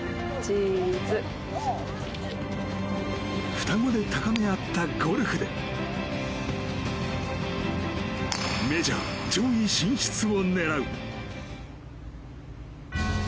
双子で高め合ったゴルフでメジャー上位進出を狙う！